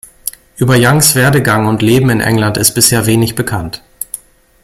Über Youngs Werdegang und Leben in England ist bisher wenig bekannt.